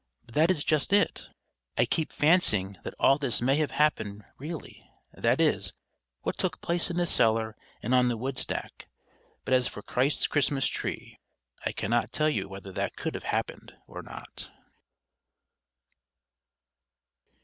But that is just it, I keep fancying that all this may have happened really that is, what took place in the cellar and on the woodstack; but as for Christ's Christmas tree, I cannot tell you whether that could have happened or not.